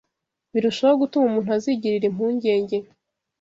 birushaho gutuma umuntu azigirira impungenge